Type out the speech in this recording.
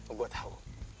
oh gue tahu